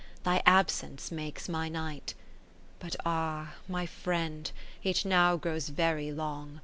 Thy absence makes my night. But ah ! my friend, it now grows very long.